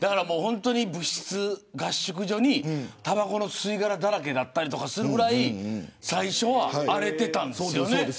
合宿所に、たばこの吸い殻だらけだったりするぐらい最初は荒れていたんですよね。